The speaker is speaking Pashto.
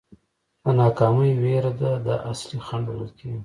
د ناکامۍ وېره ده دا اصلي خنډ بلل کېږي.